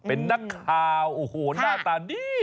เป็นนักข่าวโอ้โหหน้าตาดี